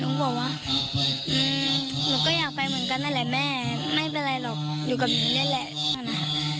ก็บอกว่าหนูก็อยากไปเหมือนกันนั่นแหละแม่ไม่เป็นไรหรอกอยู่กับหนูนี่แหละ